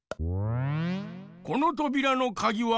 このとびらのかぎはどれじゃ？